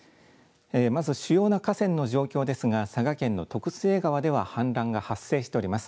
まず主要な河川の状況ですが佐賀県の徳須恵川では氾濫が発生しております。